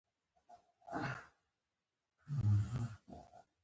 د ناروغ تصفیه شوې وینه یو ځل بیا د هغه بدن ته پمپ کېږي.